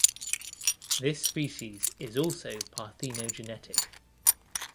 This species is also parthenogenetic.